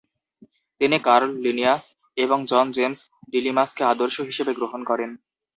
তিনি Carl Linnaeus এবং John James ডিলিমাসকে আদর্শ হিসেবে গ্রহণ করেন।